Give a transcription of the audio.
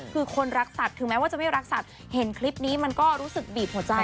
คือคนรักสัตว์ถึงแม้ว่าจะไม่รักสัตว์เห็นคลิปนี้มันก็รู้สึกบีบหัวใจ